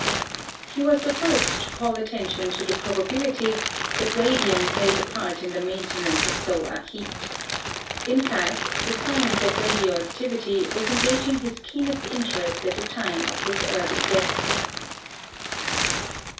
He was the first to call attention to the probability that radium plays a part in the maintenance of solar heat. In fact, the science of radio activity was engaging his keenest interest at the time of his early death.